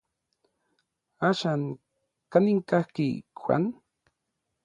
¿Axan kanin kajki Juan?